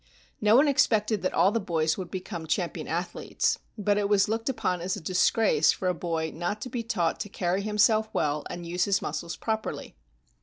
No one expected that all the boys would become champion athletes, but it was looked upon as a disgrace for a boy not to be taught to carry himself well and use his muscles properly.